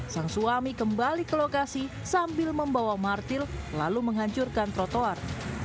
sang suami kembali ke lokasi sambil membawa martil lalu menghancurkan trotoar